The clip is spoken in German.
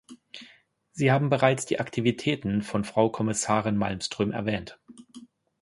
Sie haben bereits die Aktivitäten von Frau Kommissarin Malmström erwähnt.